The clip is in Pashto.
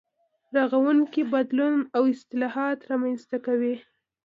رغونکی بدلون او اصلاحات رامنځته کوي.